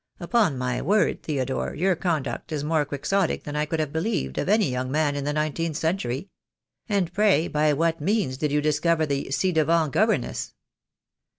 Upon my word, Theodore, your conduct is more Quixotic than I could have believed of any young man in the nineteenth century. And pray by what means did you discover the ci devant governess?"